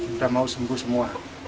sudah mau sembuh semua